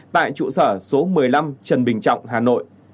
tại trụ sở số một mươi năm trần bình trọng hà nội